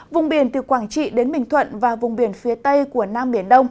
vùng biển từ quảng trị đến bình thuận và vùng biển phía tây của nam biển đông